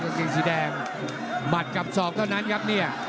เกงสีแดงหมัดกับศอกเท่านั้นครับเนี่ย